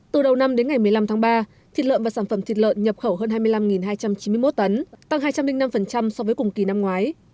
từ đầu năm đến ngày một mươi năm tháng ba thịt lợn và sản phẩm thịt lợn nhập khẩu hơn hai mươi năm hai trăm chín mươi một tấn tăng hai trăm linh năm so với cùng kỳ năm ngoái